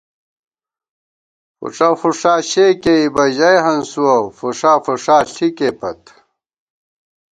فُݭہ فُݭا شے کېئیبہ ، ژَئی ہنسُوَہ فُݭا فُݭا ݪِکے پت